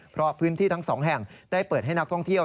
เพราะพื้นที่ทั้งสองแห่งได้เปิดให้นักท่องเที่ยว